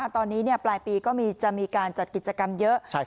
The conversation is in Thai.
ตอนนี้ปลายปีก็จะมีการจัดกิจกรรมเยอะ